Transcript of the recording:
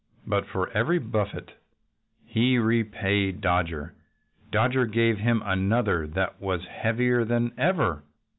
But for every buffet he repaid Dodger, Dodger gave him another that was heavier than ever.